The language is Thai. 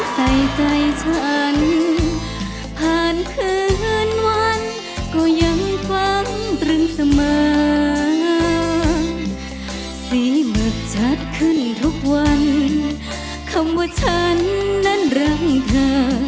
สีเหมือนจัดขึ้นทุกวันคำว่าฉันนั้นรักเธอ